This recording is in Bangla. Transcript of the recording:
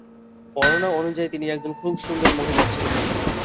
বর্ণনা অনুযায়ী তিনি একজন খুব সুন্দরী মহিলা ছিলেন।